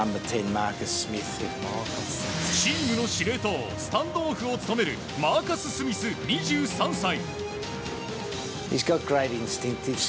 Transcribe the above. チームの司令塔スタンドオフを務めるマーカス・スミス、２３歳。